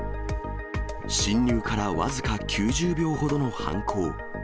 侵入から僅か９０秒ほどの犯行。